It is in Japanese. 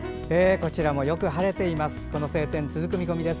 こちらもよく晴れています。